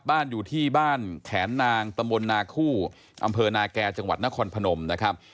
บ้านอยู่ที่บ้านแขนนางตำบลนาคู่อำเภอนาแก่จังหวัดนครพนมนะครับ